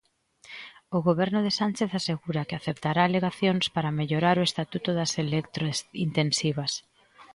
O Goberno de Sánchez asegura que aceptará alegacións para mellorar o estatuto das electrointensivas.